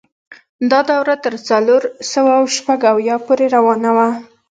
دا دوره تر څلور سوه شپږ اویا پورې روانه وه.